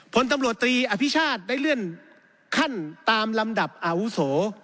ผลตลอดตรีอภิชาธิ์ได้เลื่อนคั่นตรามลำดับอาวุโฉ